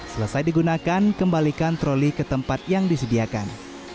selesai digunakan kembalikan troli ke tempat yang disediakan